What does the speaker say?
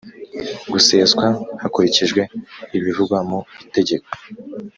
guseswa hakurikijwe ibivugwa mu Itegeko